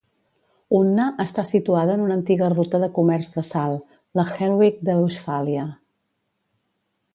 Unna està situada en una antiga ruta de comerç de sal, la Hellweg de Westfàlia.